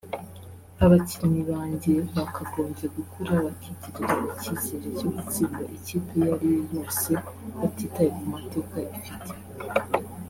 Abakinnyi banjye bakagombye gukura bakigirira icyizere cyo gutsinda ikipe iyo ariyo yose batitaye ku mateka ifite